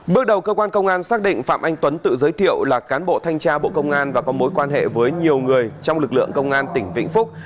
bước đầu cơ quan công an xác định phạm anh tuấn tự giới thiệu là cán bộ thanh tra bộ công an và có mối quan hệ với nhiều người trong lực lượng công an tỉnh vĩnh phúc